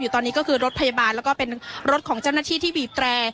ตอนนี้ก็คือรถพยาบาลแล้วก็เป็นรถของเจ้าหน้าที่ที่บีบแตร